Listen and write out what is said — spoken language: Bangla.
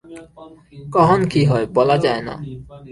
কখন কী হয়, বলা যায় না।